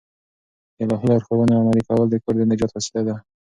د الهي لارښوونو عملي کول د کور د نجات وسیله ده.